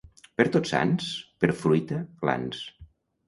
Per Tots Sants, per fruita, glans.